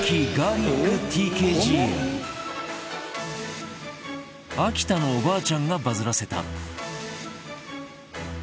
秋田のおばあちゃんがバズらせた